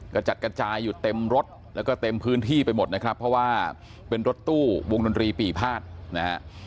กระจัดกระจายอยู่เต็มรถแล้วก็เต็มพื้นที่ไปหมดนะครับเพราะว่าเป็นรถตู้วงดนตรีปีภาษนะฮะ